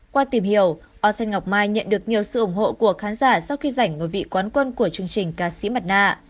qua tìm hiểu osen ngọc mai nhận được nhiều sự ủng hộ của khán giả sau khi giành ngôi vị quán quân của chương trình ca sĩ mặt nạ